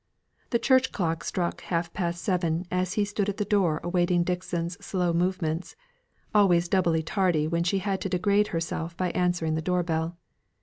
The church clock struck half past seven as he stood at the door awaiting Dixon's slow movements; always doubly tardy when she had to degrade herself by answering the door bell.